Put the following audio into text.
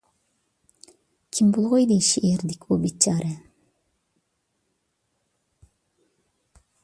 كىم بولغىيدى شېئىردىكى ئۇ بىچارە؟